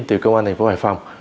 từ công an thành phố hải phòng